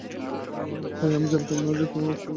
High আমি জানতাম না যে তোমার বাচ্চা এই স্কুলে পড়ে।